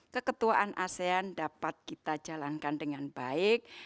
keketuaan asean dapat kita jalankan dengan baik